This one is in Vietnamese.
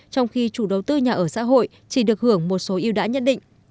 trong khi chủ đầu tư nhà ở xã hội chỉ được hưởng một số yêu đã nhận định